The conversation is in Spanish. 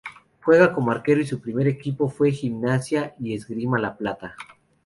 Juega como arquero y su primer equipo fue Gimnasia y Esgrima La Plata.